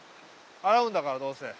洗うんだからどうせ。